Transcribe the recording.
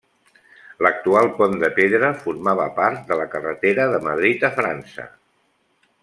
L'actual pont de pedra formava part de la carretera de Madrid a França.